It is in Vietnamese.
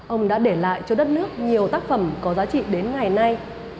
ông đã để lại cho đất nước nhiều tác phẩm có giá trị đến ngày nay